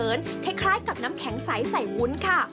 ที่มองเผินคล้ายกับน้ำแข็งใสใสวุ้นค่ะ